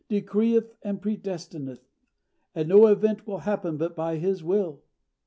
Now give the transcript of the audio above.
decreeth and predestineth, and no event will happen but by His will."